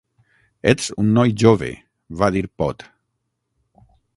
"Ets un noi jove" va dir Pott.